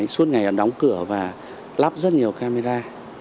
suốt ngày họ đóng cửa và lắp rất nhiều camera